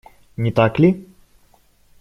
Не так ли?